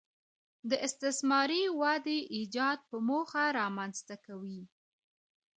د استثماري ودې ایجاد په موخه رامنځته کوي